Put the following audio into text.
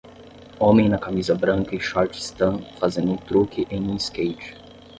Homem na camisa branca e shorts tan fazendo um truque em um skate.